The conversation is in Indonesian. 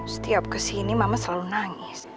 setiap kesini mama selalu nangis